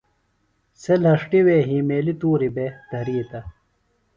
سےۡ لھݜٹِوے ہیمیلیۡ تُوریۡ بےۡ دھریتہ۔